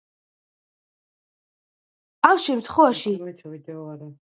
ამ შემთხვევაში ძაბვის ჩართვა ელექტროდებზე საჭირო არ არის, არამედ შეიძლება გარე ველის შექმნით.